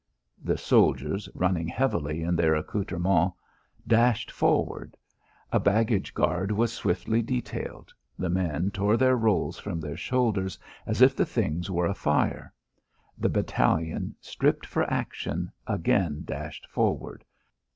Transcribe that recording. The soldiers, running heavily in their accoutrements, dashed forward. A baggage guard was swiftly detailed; the men tore their rolls from their shoulders as if the things were afire. The battalion, stripped for action, again dashed forward.